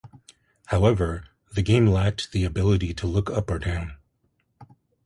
However, the game lacked the ability to look up or down.